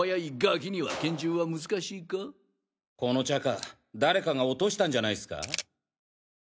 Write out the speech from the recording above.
この拳銃誰かが落としたんじゃないっスか？